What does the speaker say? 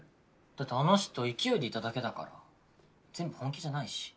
あの人勢いで言っただけだから全然本気じゃないし。